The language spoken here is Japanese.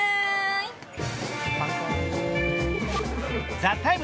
「ＴＨＥＴＩＭＥ，」